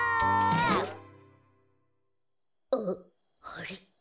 あっあれ？